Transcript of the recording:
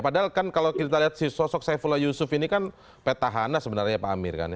padahal kan kalau kita lihat sosok saifullah yusuf ini kan petahana sebenarnya pak amir kan ya